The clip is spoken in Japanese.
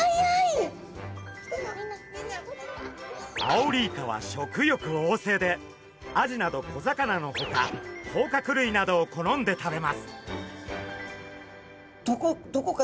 アオリイカは食欲おうせいでアジなど小魚のほかこうかく類などを好んで食べます。